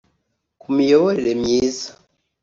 ku miyoborere myiza